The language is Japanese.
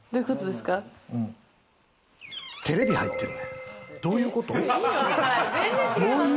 テレビ入ってる。